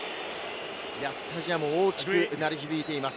スタジアムに大きく鳴り響いています。